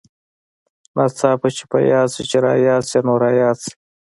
ناڅاپه چې په ياد سې چې راياد سې نو راياد سې.